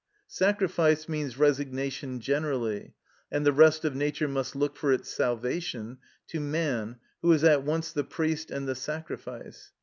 Sacrifice means resignation generally, and the rest of nature must look for its salvation to man who is at once the priest and the sacrifice.